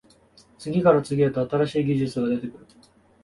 次から次へと新しい技術が出てくる